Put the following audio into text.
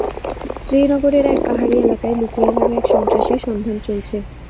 শ্রীনগরের এক পাহাড়ী এলাকায় লুকিয়ে থাকা এক সন্ত্রাসীর সন্ধান চলছে।